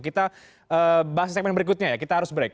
kita bahas di segmen berikutnya ya kita harus break